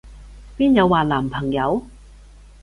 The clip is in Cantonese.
邊有話男朋友？